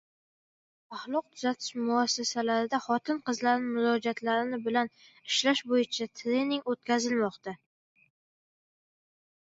Axloq tuzatish muassasalarida xotin-qizlar murojaatlari bilan ishlash bo‘yicha trening o‘tkazilmoqda